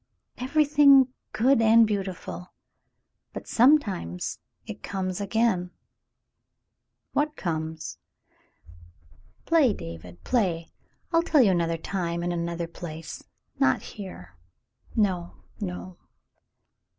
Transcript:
"Everything good and beautiful — but — sometimes it comes again —"" What comes .?^" "Play, David, play. I'll tell you another time in an other place, not here. No, no."